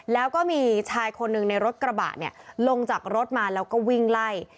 แล้วก็มีชายคนหนึ่งในรถกระบะเนี่ยลงจากรถมาแล้วก็วิ่งไล่